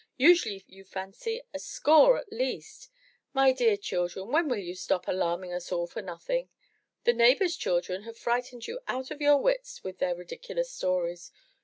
"Usually you fancy a score at least! My dear children, when will you stop alarming us all for nothing? The neighbors* children have frightened you out of your wits with their ridiculous stories.